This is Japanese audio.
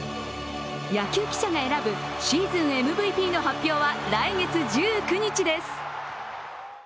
野球記者が選ぶシーズンＭＶＰの発表は来月１９日です。